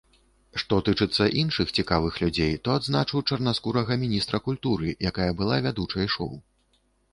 Што тычыцца іншых цікавых людзей, то адзначу чарнаскурага міністра культуры, якая была вядучай шоу.